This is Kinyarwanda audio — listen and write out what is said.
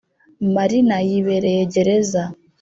marina yibereye gereza